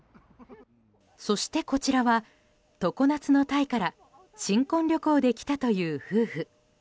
そして、こちらは常夏のタイから新婚旅行で来たという夫婦。